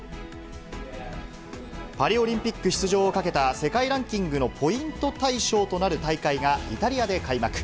パリオリンピック出場をかけた世界ランキングのポイント対象となる大会がイタリアで開幕。